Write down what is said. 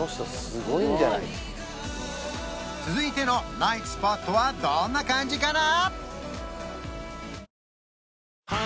すごい続いてのナイトスポットはどんな感じかな？